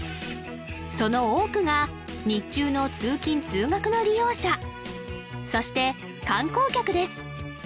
その多くが日中の通勤通学の利用者そして観光客です